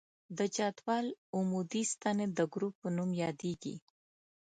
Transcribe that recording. د جدول عمودي ستنې د ګروپ په نوم یادیږي.